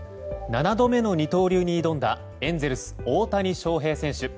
７度目の二刀流に挑んだエンゼルス、大谷翔平選手。